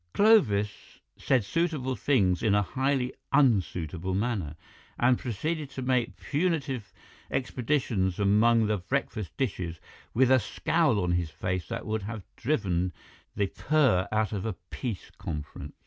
Clovis said suitable things in a highly unsuitable manner, and proceeded to make punitive expeditions among the breakfast dishes with a scowl on his face that would have driven the purr out of a peace conference.